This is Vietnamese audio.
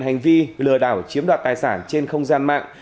hành vi lừa đảo chiếm đoạt tài sản trên không gian mạng